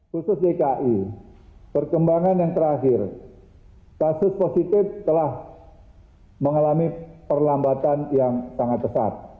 khusus dki perkembangan yang terakhir kasus positif telah mengalami perlambatan yang sangat pesat